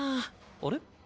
あれ？